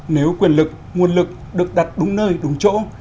nếu quyền lực nguồn lực được đặt đúng nơi đúng chỗ